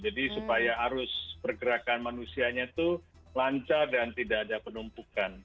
jadi supaya arus pergerakan manusianya itu lancar dan tidak ada penumpukan